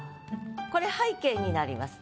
これ背景になります。